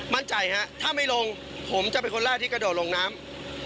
มั่นใจฮะถ้าไม่ลงผมจะเป็นคนแรกที่กระโดดลงน้ำ